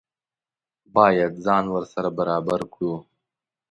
باید ځان ورسره برابر کړو.